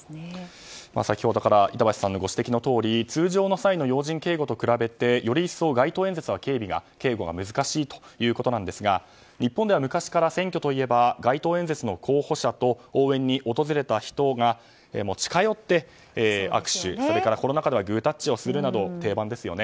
先ほどから板橋さんのご指摘のとおり通常の際の要人警護と比べてより一層、街頭演説は警護が難しいということですが日本では昔から選挙といえば街頭演説の候補者と応援に訪れた人が近寄って握手、それからコロナ禍ではグータッチをするなど定番です。